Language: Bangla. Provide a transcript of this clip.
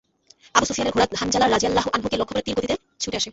আবু সুফিয়ানের ঘোড়া হানজালা রাযিয়াল্লাহু আনহু কে লক্ষ্য করে তীর গতিতে ছুটে আসে।